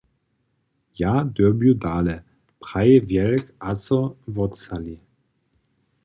„Ja dyrbju dale“, praji wjelk a so wotsali.